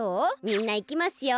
みんないきますよ。